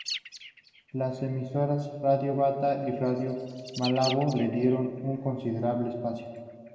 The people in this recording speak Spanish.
Las emisoras Radio Bata y Radio Malabo le dieron un considerable espacio.